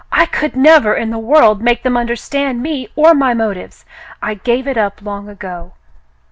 "I could never in the world make them understand me or my motives. I gave it up long ago.